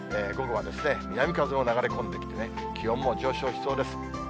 午後は南風も流れ込んできて、気温も上昇しそうです。